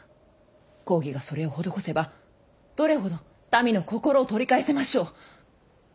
公儀がそれを施せばどれほど民の心を取り返せましょう。